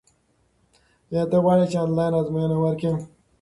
ایا ته غواړې چې آنلاین ازموینه ورکړې؟